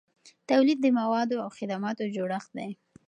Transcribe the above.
تولید د موادو او خدماتو جوړښت دی.